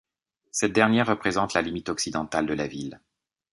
Cette dernière représente la limite occidentale de la ville.